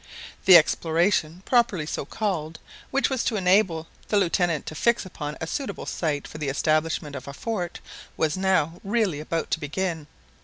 The exploration, properly so called, which was to enable the Lieutenant to fix upon a suitable site for the establishment of a fort, was now really about to begin.